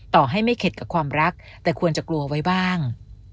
ต่อให้ไม่เข็ดกับความรักแต่ควรจะกลัวไว้บ้าง